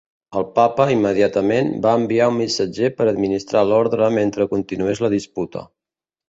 El papa, immediatament, va enviar un missatger per administrar l'Orde mentre continués la disputa.